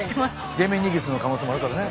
デメニギスの可能性もあるからね。